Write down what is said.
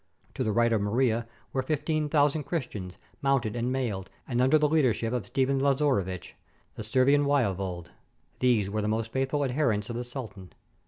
To the right of Maria were 15,000 Christians, mounted and mailed, and under the lead ership of Stephen Lazaruvich, the Servian Waiwode. These were the most faithful adherents of the sultan.